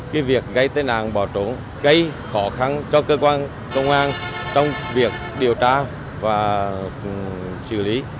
cái việc gây tai nạn bỏ trốn gây khó khăn cho cơ quan công an trong việc điều tra và xử lý